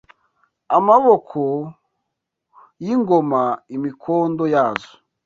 Amaboko y’ingoma Imikondo yazo